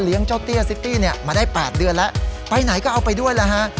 เลี้ยงเจ้าเตี้ยเนี้ยมาได้แปดเดือนแล้วไปไหนก็เอาไปด้วยแล้วฮะ